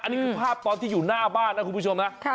นี่คือภาพตอนที่อยู่หน้าบ้านนะคุณผู้ชมนะ